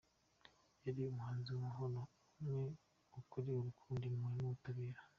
Yari umuhanuzi w’amahoro, ubumwe, ukuri, urukundo , impuhwe n’ubutabera.